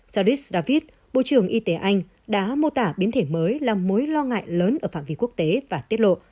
zardis david bộ trưởng y tế anh đã mô tả biến thể mới là mối lo ngại lớn ở phạm vi quốc tế và tiết lộ